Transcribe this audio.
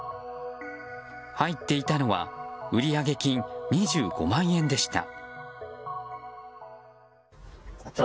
入っていたのは売上金２５万円でした。